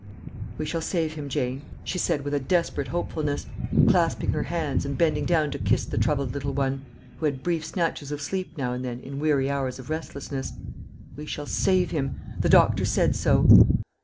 "We shall save him, Jane," she said with a desperate hopefulness, clasping her hands and bending down to kiss the troubled little one, who had brief snatches of sleep now and then in weary hours of restlessness. "We shall save him. The doctor said so."